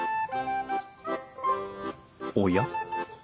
おや？